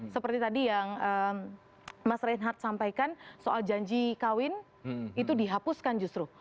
seperti tadi yang mas reinhardt sampaikan soal janji kawin itu dihapuskan justru